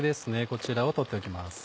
こちらを取っておきます。